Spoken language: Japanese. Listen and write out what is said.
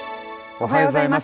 おはようございます。